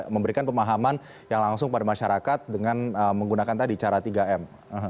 memberikan pemahaman yang langsung pada masyarakat dengan menggunakan tadi cara tiga m